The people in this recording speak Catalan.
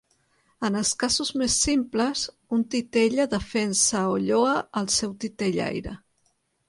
En els casos més simples, un titella defensa o lloa al seu titellaire.